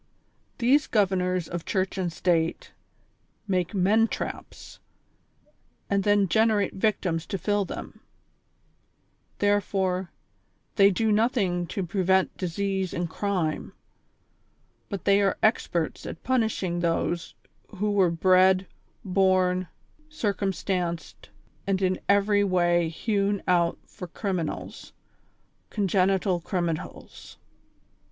These governors of Church and State make men traps, and then generate victims to fill them ; therefore, they do nothing to prevent disease and crime, but they are experts at punishing those who were bred, born, circumstanced and in every way hewn out for criminals, congenital criminals.